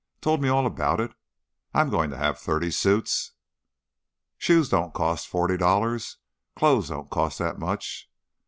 Told me all about it. I'm goin' to have thirty suits " "Shoes don't cost forty dollars. Clo's don't cost that much."